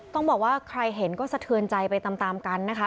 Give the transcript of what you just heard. ต้องบอกว่าใครเห็นก็สะเทือนใจไปตามกันนะคะ